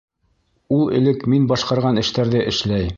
Ул элек мин башҡарған эштәрҙе эшләй.